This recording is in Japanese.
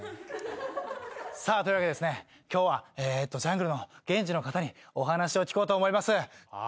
さあというわけで今日はジャングルの現地の方にお話を聞こうと思います。